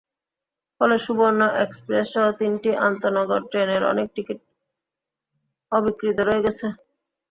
ফলে সুবর্ণ এক্সপ্রেসসহ তিনটি আন্তনগর ট্রেনের অনেক টিকিট অবিক্রীত রয়ে গেছে।